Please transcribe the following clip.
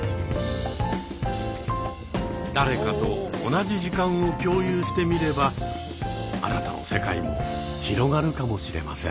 誰かと同じ時間を共有してみればあなたの世界も広がるかもしれません。